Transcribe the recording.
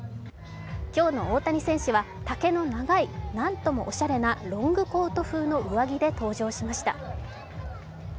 今日の大谷選手は丈の長い、何ともおしゃれなロングコート風の上着で登場しました。